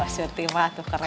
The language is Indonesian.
surti mah tuh keren